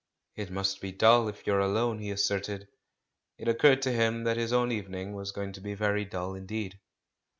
"It must be dull if you're alone," he assented. It occurred to him that his own evening was going to be very dull indeed.